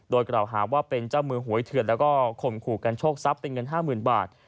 โดยกล่าวหาว่าเป็นเจ้ามือหวยเถื่อนแล้วก็ข่มขู่กันโชคทรัพย์เป็นเงิน๕๐๐๐บาท